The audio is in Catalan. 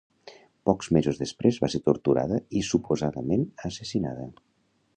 Pocs mesos després va ser torturada i suposadament assassinada.